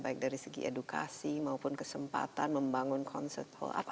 baik dari segi edukasi maupun kesempatan membangun concert hall up